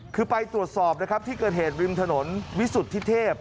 คือไปตรวจสอบนะครับที่เกิดเหตุริมถนนวิสุทธิเทพ